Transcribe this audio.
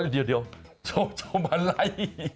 เอ้ยเดี๋ยวชมชมอะไร